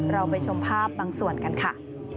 เราไปชมภาพบางส่วนกันค่ะ